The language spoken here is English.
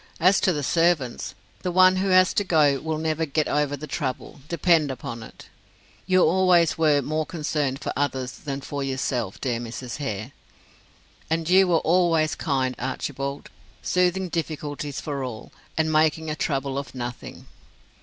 "As to the servants, the one who has to go will never get over the trouble, depend upon it. You always were more concerned for others than for yourself, dear Mrs. Hare." "And you were always kind, Archibald, smoothing difficulties for all, and making a trouble of nothing.